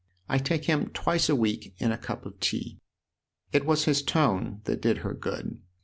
I take him twice a week in a cup of tea." It was his tone that did her good.